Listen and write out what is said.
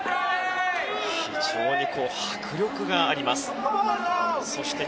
非常に迫力がありました。